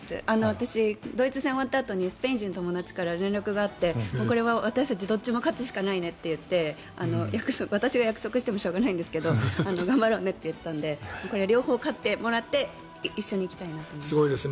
私ドイツ戦が終わったあとにスペイン人の友達から連絡があって、これは私たちどっちも勝つしかないねって言って私が約束してもしょうがないですけど頑張ろうねと言ってこれは両方勝ってもらって一緒に行きたいなと思います。